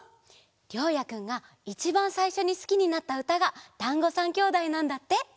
りょうやくんがいちばんさいしょにすきになったうたが「だんご３兄弟」なんだって！